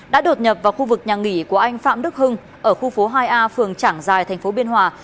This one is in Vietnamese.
đã đột nhập vào khu vực nhà nghỉ của anh phạm đức hưng ở khu phố hai a phường trảng giài thành phố biên hòa